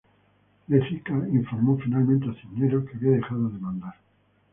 Lezica informó finalmente a Cisneros que había dejado de mandar.